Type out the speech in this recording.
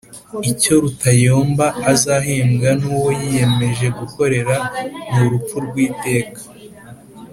Icyo Rutayomba azahembwa n'uwo yiyemeje gukorera, ni urupfu rw'iteka.